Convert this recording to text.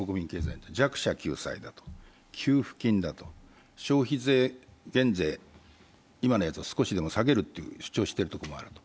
弱者救済、給付金だと、消費税減税今のやつを少しでも下げると主張しているところもある。